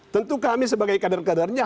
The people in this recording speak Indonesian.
tentu kami sebagai kader kadernya